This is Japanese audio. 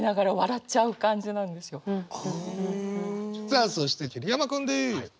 さあそして桐山君です。